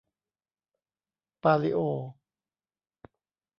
ปาลิโอ